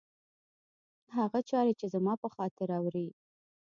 هغه چاري چي زما پر خاطر اوري